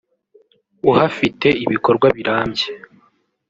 uhafite ibikorwa birambye